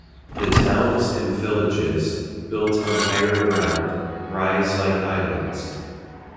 The towns and villages, built on higher ground, rise like islands.